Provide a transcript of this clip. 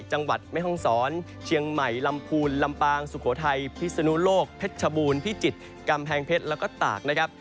จังหวัดแม่ห้องศรเชียงใหม่ลำพูนลำปางสุโขทัยพิศนุโลกเพชรชบูรณพิจิตรกำแพงเพชรแล้วก็ตากนะครับ